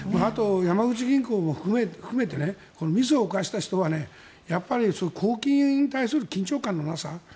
山口銀行も含めてミスを犯した人はやっぱり公金に対する緊張感のなさ。